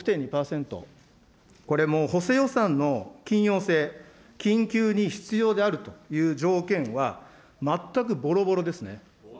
これもう補正予算の緊要性、緊急に必要であるという条件は、全くぼろぼろですね。